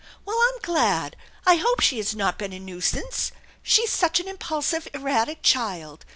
Well, I'm glad. I hope she has not been a nuisance. She's such an impulsive, erratic child.